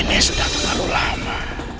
ini sudah terlalu lama